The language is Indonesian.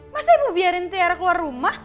masa mau biarin tiara keluar rumah